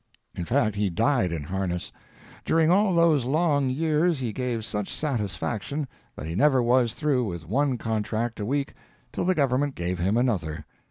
In fact, he died in harness. During all those long years he gave such satisfaction that he never was through with one contract a week till the government gave him another.